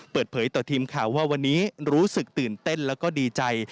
เปิดเผยต่อทีมข่าวว่าวันนี้รู้สึกตื่นเต้นแล้วก็ดีใจ